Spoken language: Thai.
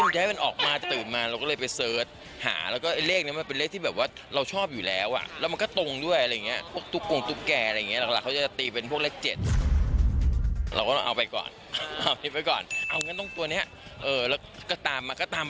แล้วภรรยาเขาก็ไปแทงไปจิ้ม